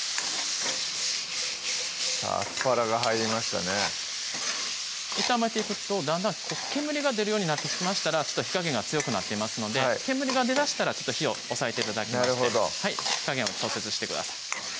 アスパラが入りましたね炒めていくとだんだん煙が出るようになってきましたら火加減が強くなっていますので煙が出だしたら火を抑えて頂きまして火加減を調節してください